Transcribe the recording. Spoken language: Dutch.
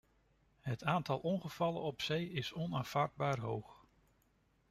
Het aantal ongevallen op zee is onaanvaardbaar hoog.